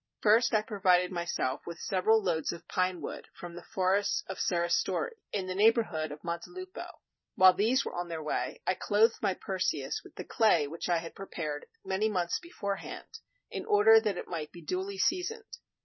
First I provided myself with several loads of pine wood from the forests of Serristori, in the neighborhood of Montelupo. While these were on their way, I clothed my Perseus with the clay which I had prepared many months beforehand, in order that it might be duly seasoned.